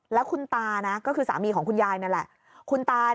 แล้วคุณตานะก็คือสามีของคุณยายนั่นแหละคุณตา